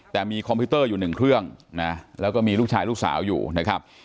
แต่มีคอมพิวเตอร์อยู่หนึ่งเครื่องนะแล้วก็มีลูกชายลูกสาวอยู่นะครับ